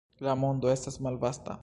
La mondo estas malvasta.